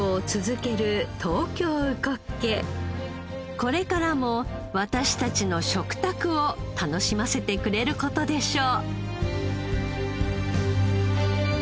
これからも私たちの食卓を楽しませてくれる事でしょう。